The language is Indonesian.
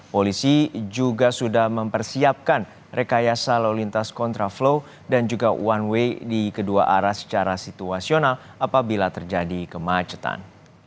polisi juga sudah mempersiapkan rekayasa lalu lintas kontraflow dan juga one way di kedua arah secara situasional apabila terjadi kemacetan